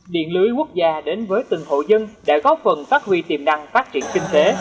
điện lưới quốc gia đến với từng hộ dân đã góp phần phát huy tiềm năng phát triển kinh tế